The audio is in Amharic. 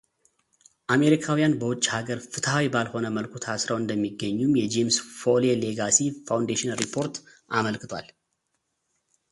አሜሪካውያን በውጭ ሃገር ፍትሃዊ ባልሆነ መልኩ ታስረው እንደሚገኙም የጄምስ ፎሌ ሌጋሲ ፋውንዴሽን ሪፖርት አመልክቷል።